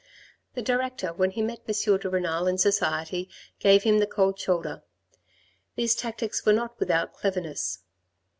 The director, when he met M. de Renal in society, gave him the cold shoulder. These tactics were not without cleverness.